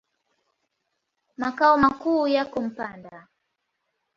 Makao makuu yako Mpanda.